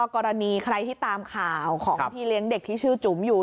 กรณีใครที่ตามข่าวของพี่เลี้ยงเด็กที่ชื่อจุ๋มอยู่